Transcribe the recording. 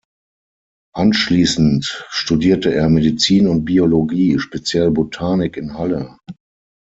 Anschließend studierte er Medizin und Biologie, speziell Botanik in Halle.